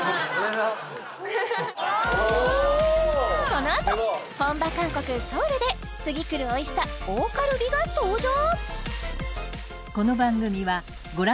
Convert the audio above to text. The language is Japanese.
このあと本場・韓国ソウルで次くるおいしさ王カルビが登場